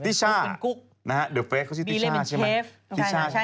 ติช่าเขาชื่อติช่าใช่ไหมติช่าทิช่า